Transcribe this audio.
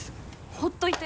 ほっといて。